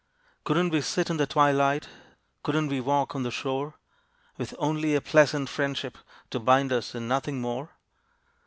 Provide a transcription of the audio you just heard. Couldn't we sit in the twilight, Couldn't we walk on the shore, With only a pleasant friendship To bind us, and nothing more?